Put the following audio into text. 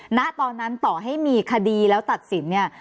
ณตอนนั้นต่อให้มีคดีแล้วตัดสินเนี่ย